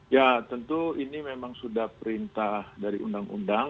ya tentu ini memang sudah perintah dari undang undang